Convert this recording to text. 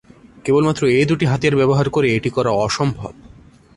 কেবলমাত্র এ দুটি হাতিয়ার ব্যবহার করে এটি করা অসম্ভব।